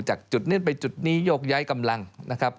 จากจุดนี้ไปจุดนี้โยกย้ายกำลังนะครับ